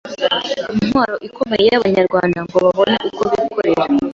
intwaro ikomeye y‘Abanyarwanda ngo babone uko bikorera